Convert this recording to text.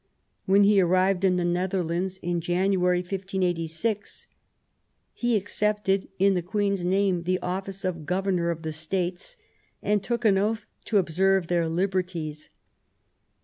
When he arrived in the Netherlands, in January, 1586, he accepted in the Queen's name the office of Governor of the States and took an oath to observe their liberties.